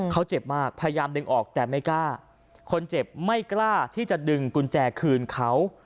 เขาเจ็บมากพยายามดึงออกแต่ไม่กล้าคนเจ็บไม่กล้าที่จะดึงกุญแจคืนเขา